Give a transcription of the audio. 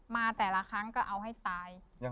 มาแต่ละครั้งก็เอาให้ตาย